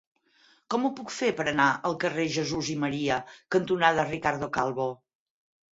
Com ho puc fer per anar al carrer Jesús i Maria cantonada Ricardo Calvo?